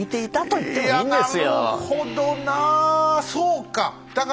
いやなるほどなあそうか。